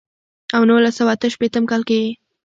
او نولس سوه اتۀ شپېتم کال کښې ئې